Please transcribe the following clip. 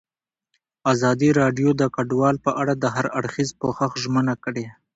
ازادي راډیو د کډوال په اړه د هر اړخیز پوښښ ژمنه کړې.